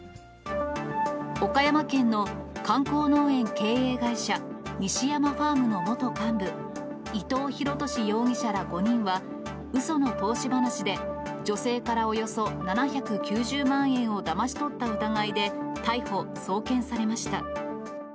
岡山県の観光農園経営会社、西山ファームの元幹部、伊藤弘敏容疑者ら５人は、うその投資話で、女性からおよそ７９０万円をだまし取った疑いで、逮捕・送検されました。